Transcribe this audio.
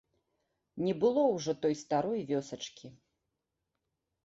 Не было ўжо той старой вёсачкі.